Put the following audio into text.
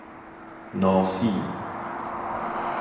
نافی